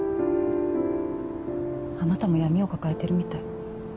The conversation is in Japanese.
あなたも闇を抱えてるみたい。